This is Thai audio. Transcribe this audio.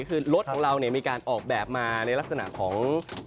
คือรถของเรามีการออกแบบมาในลักษณะของ